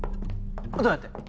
どうやって？